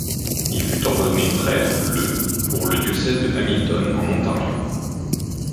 Il fut ordonné prêtre le pour le diocèse de Hamilton en Ontario.